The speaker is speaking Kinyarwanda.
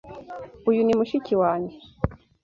Uyu ni mushiki wanjye.